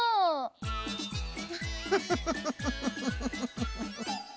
フフフフフ。